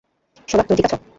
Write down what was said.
শোলা, তুমি ঠিক আছো?